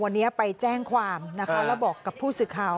วันนี้ไปแจ้งความนะคะแล้วบอกกับผู้สื่อข่าว